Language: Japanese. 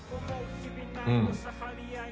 うん。